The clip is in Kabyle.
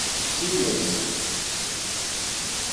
Simes.